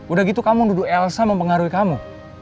udah gitu kamu duduk elsa mempengaruhi kamu